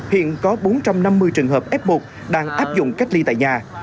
hiện có bốn trăm năm mươi trường hợp f một đang áp dụng cách ly tại nhà